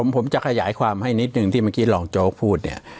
ผมจะขยายความให้นิดหนึ่งที่เมื่อกี้รองโจ๊กพูดเนี่ย